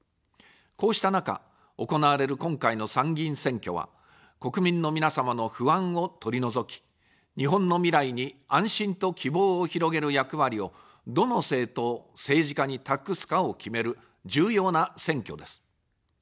こうした中、行われる今回の参議院選挙は、国民の皆様の不安を取り除き、日本の未来に安心と希望を広げる役割を、どの政党、政治家に託すかを決める重要な選挙です。